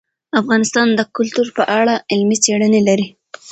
افغانستان د کلتور په اړه علمي څېړنې لري.